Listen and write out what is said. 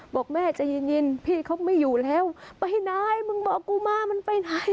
บอกแม่ใจเย็นพี่เขาไม่อยู่แล้วไปไหนมึงบอกกูมามึงไปไหน